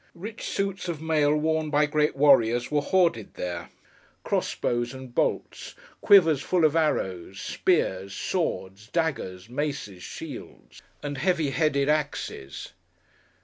Rich suits of mail worn by great warriors were hoarded there; crossbows and bolts; quivers full of arrows; spears; swords, daggers, maces, shields, and heavy headed axes.